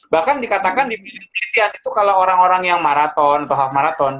bahkan dikatakan di bilik kelihatan itu kalau orang orang yang maraton atau half maraton